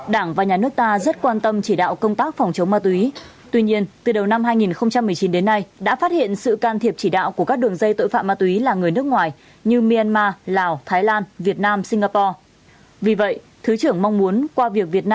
đảng và nhà nước ta rất quan tâm chỉ đạo công tác phòng chống ma túy tuy nhiên từ đầu năm hai nghìn một mươi chín đến nay đã phát hiện sự can thiệp chỉ đạo của các đường dây tội phạm ma túy là người nước ngoài như myanmar lào thái lan việt nam singapore